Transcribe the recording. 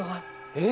えっ！